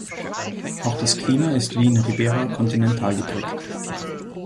Auch das Klima ist wie in Ribera kontinental geprägt.